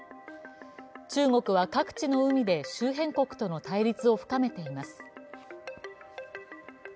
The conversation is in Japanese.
中国は各地の海で、周辺国との対立を深めています。